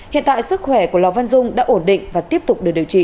hiện tại sức khỏe của lò văn dung đã ổn định và tiếp tục được điều trị